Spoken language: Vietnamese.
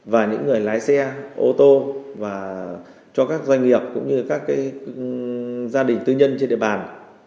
và những người lái xe ô tô và cho các doanh nghiệp cũng như các gia đình tư nhân trên địa bàn